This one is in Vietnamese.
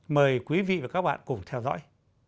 mời quý vị và các bạn cùng theo dõi